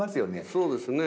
そうですね。